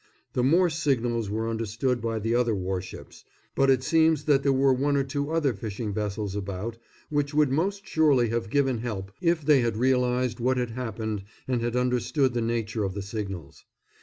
The Morse signals were understood by the other warships, but it seems that there were one or two other fishing vessels about which would most surely have given help if they had realised what had happened and had understood the nature of the signals.